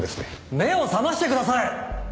目を覚ましてください！